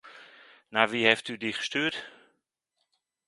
Naar wie heeft u die gestuurd?